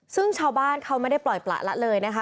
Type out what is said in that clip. ซึ่งชาวบ้านเขาไม่ได้ปล่อยประละเลยนะคะ